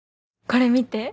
これ見て。